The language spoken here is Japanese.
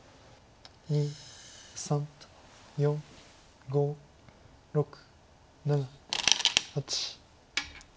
２３４５６７８。